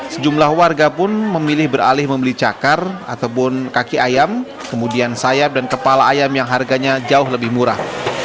sejumlah warga pun memilih beralih membeli cakar ataupun kaki ayam kemudian sayap dan kepala ayam yang harganya jauh lebih murah